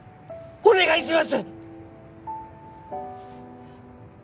お願いします！